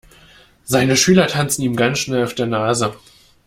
Seine Schüler tanzen ihm ganz schnell auf der Nase.